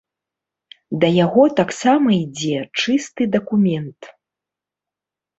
Да яго таксама ідзе чысты дакумент.